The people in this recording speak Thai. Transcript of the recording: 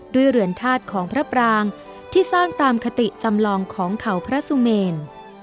เรือนธาตุของพระปรางที่สร้างตามคติจำลองของเขาพระสุเมน